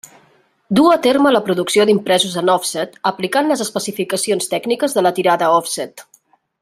Duu a terme la producció d'impresos en òfset, aplicant les especificacions tècniques de la tirada òfset.